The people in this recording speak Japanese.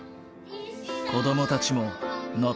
子どもたちもノ